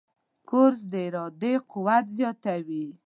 کورس د ارادې قوت زیاتوي.